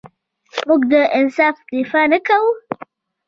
موږ د انصاف دفاع نه کوو.